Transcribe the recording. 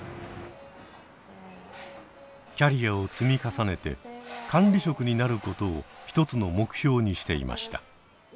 キャリアを積み重ねて管理職になることを一つの目標にしていました。